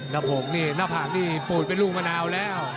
น้ำผังนี่ปูดเป็นรูปมะนาวแล้ว